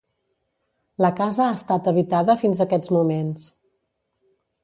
La casa ha estat habitada fins aquests moments.